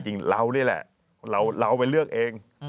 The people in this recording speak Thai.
เราไปเลือกเอง